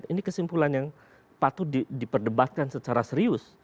ini kesimpulan yang patut diperdebatkan secara serius